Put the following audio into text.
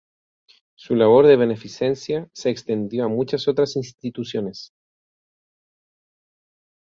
Su labor de beneficencia se extendió a muchas otras instituciones.